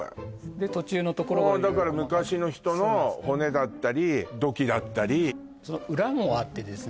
途中のところが色々だから昔の人の骨だったり土器だったりその裏もあってですね